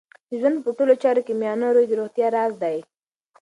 د ژوند په ټولو چارو کې میانه روی د روغتیا راز دی.